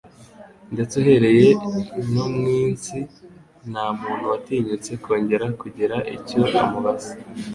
ndetse uhereye nwo munsi nta muntu watinyutse kongera kugira icyo amubaza.»